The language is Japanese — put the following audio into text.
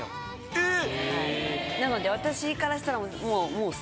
えっ？